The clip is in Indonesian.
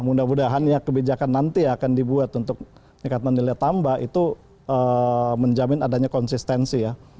mudah mudahan ya kebijakan nanti akan dibuat untuk meningkatkan nilai tambah itu menjamin adanya konsistensi ya